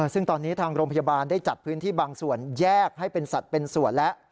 ซึ่งตอนนี้ทางโรงพยาบาลได้จัดพื้นที่บางส่วนแยกให้เป็นสัตว์เป็นส่วนแล้ว